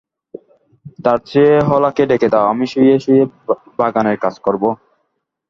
তার চেয়ে হলাকে ডেকে দাও, আমি শুয়ে শুয়েই বাগানের কাজ করব।